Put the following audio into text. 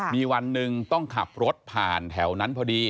มีวันหนึ่งต้องขับรถผ่านแถวนั้นพอดี